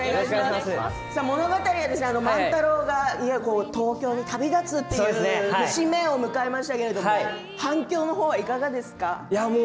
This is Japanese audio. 物語、万太郎がいよいよ東京に旅立つという節目を迎えましたが反響の方は、いかがですか？